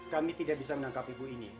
kami tidak bisa menangkap ibu ini